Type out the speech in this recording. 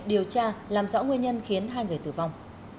điều tra làm rõ nguyên nhân khiến hai người tử vong